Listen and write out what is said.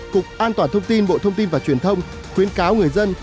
cục an toàn thông tin bộ thông tin và truyền thông khuyến cáo người dân